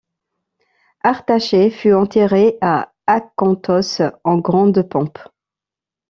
Artachéès fut enterré à Akanthos, en grande pompe.